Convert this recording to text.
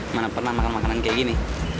gimana pernah makan makanan kayak gini